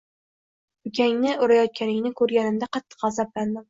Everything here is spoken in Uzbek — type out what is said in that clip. “Ukangni urayotganingni ko‘rganimda qattiq g‘azablandim.